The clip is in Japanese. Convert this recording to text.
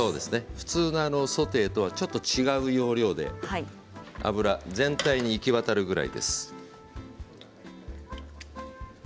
普通のソテーとはちょっと違う要領で油が全体に行き渡るくらいです。